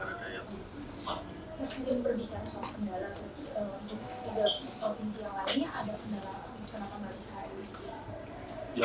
ada kendala yang bisa atau nggak bisa